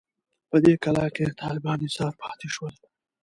په دې کلا کې طالبان ایسار پاتې شول.